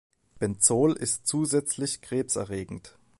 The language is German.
Benzol ist zusätzlich krebserregend.